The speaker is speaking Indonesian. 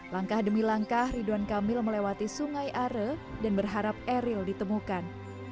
langkah demi langkah ridwan kamil melewati sungai are dan berharap eril ditemukan